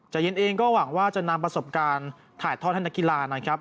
จ่ายเย็นเองก็หวังว่าจะนำประสบการณ์ถ่ายทอดธนกีฬา